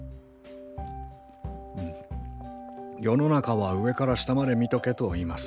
世の中は上から下まで見とけと言います。